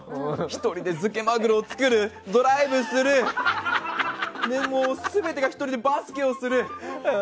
１人で漬けマグロを作るドライブする全てが１人で、バスケをするとか。